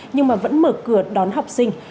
nhưng vẫn mở cửa đón học sinh